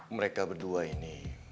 mereka berdua ini